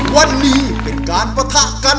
วันนี้เป็นการปะทะกัน